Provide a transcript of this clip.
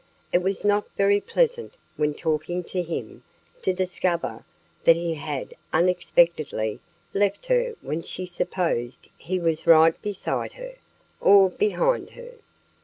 It was not very pleasant, when talking to him, to discover that he had unexpectedly left her when she supposed he was right beside her, or behind her.